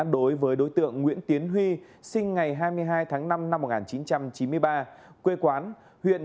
đối với đối tượng nguyễn tiến huy sinh ngày hai mươi hai tháng năm năm một nghìn chín trăm chín mươi ba quê quán